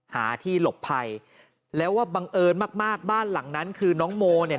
หาที่หลบภัยแล้วว่าบังเอิญมากมากบ้านหลังนั้นคือน้องโมเนี่ย